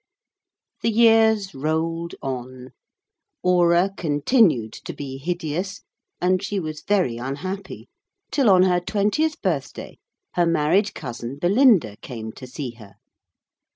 The years rolled on. Aura continued to be hideous, and she was very unhappy, till on her twentieth birthday her married cousin Belinda came to see her.